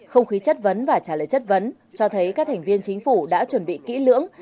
không khí chất vấn và trả lời chất vấn cho thấy các thành viên chính phủ đã chuẩn bị kỹ lưỡng